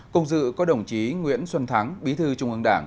cùng dự có đồng chí nguyễn xuân thắng bí thư trung ương đảng